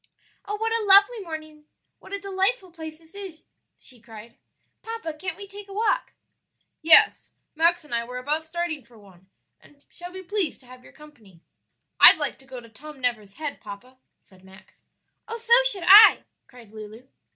"Oh, what a lovely morning! what a delightful place this is!" she cried. "Papa, can't we take a walk?" "Yes, Max and I were about starting for one, and shall be pleased to have your company." "I'd like to go to Tom Never's Head, papa," said Max. "Oh, so should I!" cried Lulu.